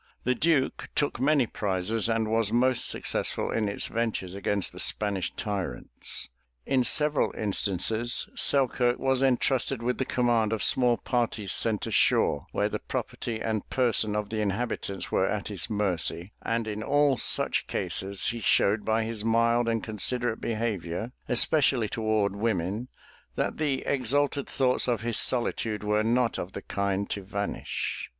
The Duke took many prizes and was most successful in its ventures against the Spanish tyrants. In several instances Selkirk was entrusted with the command of small parties sent ashore, where the property and person of the inhabitants were at his mercy, and in all such cases he showed by his mild and considerate behavior, especially towards women, that the exalted thoughts of his solitude were not of the kind to vanish.